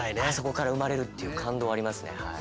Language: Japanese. あそこから生まれるっていう感動がありますね。